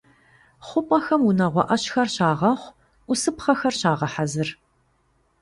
ХъупӀэхэм унагъуэ Ӏэщхэр щагъэхъу, Ӏусыпхъэхэр щагъэхьэзыр.